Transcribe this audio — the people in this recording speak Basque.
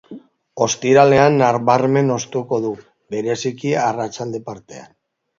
Ostiralean nabarmen hoztuko du, bereziki arratsalde partean.